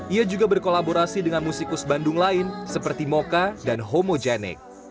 ia juga berkolaborasi dengan musikus bandung lain seperti mocha dan homogenec